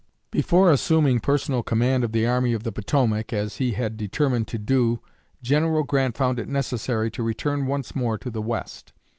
Before assuming personal command of the Army of the Potomac, as he had determined to do, General Grant found it necessary to return once more to the West.